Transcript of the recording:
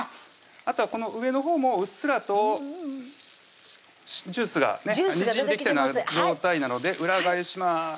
あとは上のほうもうっすらとジュースがねにじんできたような状態なので裏返します